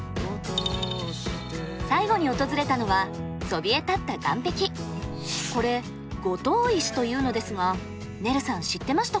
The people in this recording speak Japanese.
最後に訪れたのはこれ五島石というのですがねるさん知ってましたか？